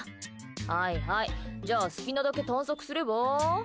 はいはいじゃあ好きなだけ探索すれば？